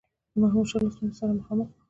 د محمودشاه له ستونزي سره مخامخ وو.